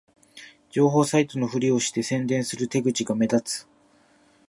情報サイトのふりをして宣伝する手口が目立つ